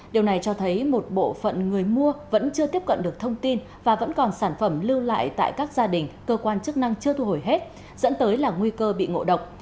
điều này cho thấy một bộ phận người mua vẫn chưa tiếp cận được thông tin và vẫn còn sản phẩm lưu lại tại các gia đình cơ quan chức năng chưa thu hồi hết dẫn tới là nguy cơ bị ngộ độc